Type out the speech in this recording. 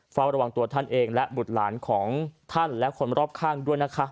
เฝ้าระวังตัวท่านเองและบุตรหลานของท่านและคนรอบข้างด้วยนะคะ